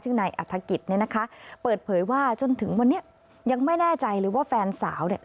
ซึ่งนายอัฐกิจเนี่ยนะคะเปิดเผยว่าจนถึงวันนี้ยังไม่แน่ใจเลยว่าแฟนสาวเนี่ย